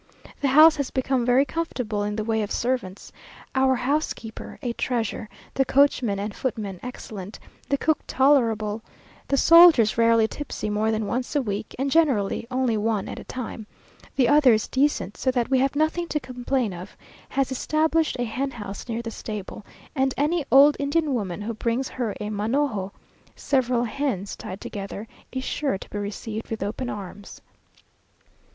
The house has become very comfortable in the way of servants; our housekeeper a treasure, the coachman and footman excellent, the cook tolerable, the soldiers rarely tipsy more than once a week, and generally only one at a time, the others decent so that we have nothing to complain of has established a hen house near the stable, and any old Indian woman who brings her a manojo (several hens tied together) is sure to be received with open arms.